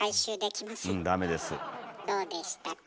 どうでしたか？